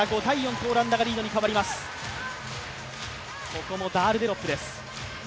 ここもダールデロップです。